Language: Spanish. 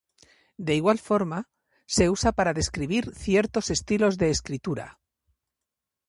De igual forma, se usa para describir ciertos estilos de escritura.